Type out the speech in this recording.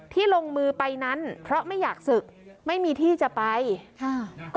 ที่ลงมือไปนั้นเพราะไม่อยากศึก